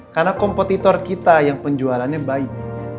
karena kompetitor kita yang penjualannya baik